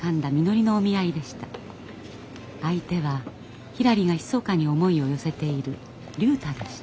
相手はひらりがひそかに思いを寄せている竜太でした。